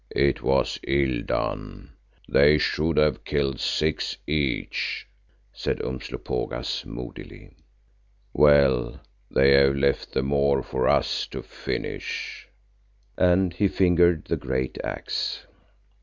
"It was ill done, they should have killed six each," said Umslopogaas moodily. "Well, they have left the more for us to finish," and he fingered the great axe.